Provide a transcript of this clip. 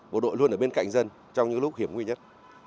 bộ đội luôn ở bên cạnh dân trong những lúc hiểm nguy nhất